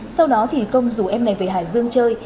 sau đó thì công rủ em này về hải dương chơi